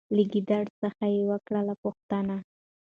له ګیدړ څخه یې وکړله پوښتنه